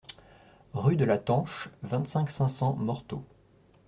Rue de la Tanche, vingt-cinq, cinq cents Morteau